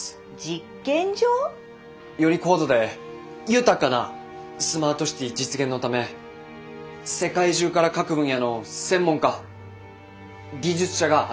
実験場？より高度で豊かなスマートシティ実現のため世界中から各分野の専門家技術者が集まって。